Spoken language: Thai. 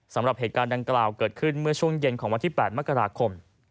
สำหรับเหตุการณ์ดังกล่าวเกิดขึ้นเมื่อช่วงเย็นของวันที่๘มกราคม